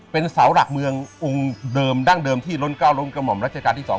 เป็นเสาหลักเมืององค์เดิมดั้งเดิมที่ล้นก้าวล้นกระห่อมรัชกาลที่๒